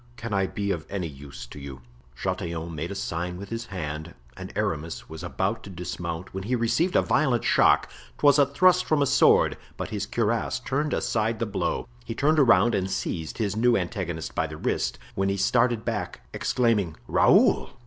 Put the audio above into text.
Can I be of any use to you?" Chatillon made a sign with his hand and Aramis was about to dismount when he received a violent shock; 'twas a thrust from a sword, but his cuirass turned aside the blow. He turned around and seized his new antagonist by the wrist, when he started back, exclaiming, "Raoul!"